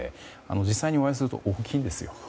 実際にお会いすると大きいですよ。